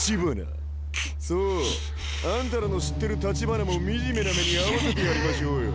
そうあんたらの知ってる橘も惨めな目に遭わせてやりましょうよ。